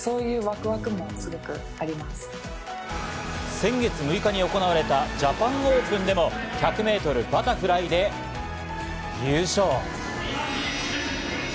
先月６日に行われたジャパンオープンでも１００ｍバタフライで優勝。